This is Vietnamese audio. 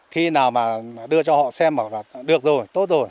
thì nào mà đưa cho họ xem là được rồi tốt rồi